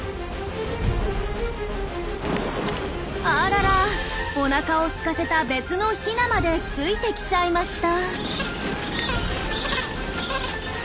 あららおなかをすかせた別のヒナまでついてきちゃいました。